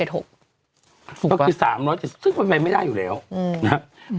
ถูกป่ะก็คือ๓๗๖ซึ่งไม่ได้อยู่แล้วนะฮะ